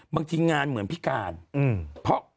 บางทีงานเหมือนพิการ